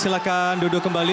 silakan duduk kembali